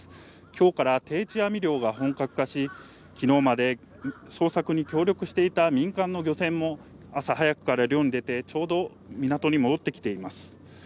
今日から定置網漁が本格化し、昨日まで捜索に協力していた民間の漁船も朝早くから漁に出て、ちょうど港に戻ってきています。